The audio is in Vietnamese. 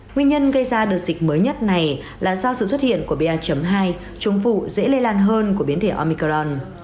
nguyên nhân gây ra đợt dịch mới nhất này là do sự xuất hiện của ba hai trúng vụ dễ lây lan hơn của biến thể omicron